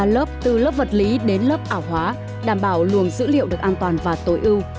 lớp từ lớp vật lý đến lớp ảo hóa đảm bảo luồng dữ liệu được an toàn và tối ưu